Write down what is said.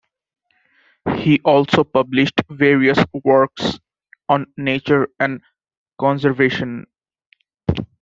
He also published various works on nature and conservation.